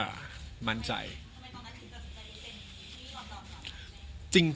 ทำไมตอนนั้นคุณตั้งใจจะไปเซ็นที่ลอนดอน